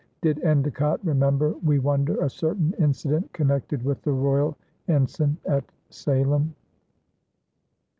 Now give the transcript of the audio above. Did Endecott remember, we wonder, a certain incident connected with the royal ensign at Salem?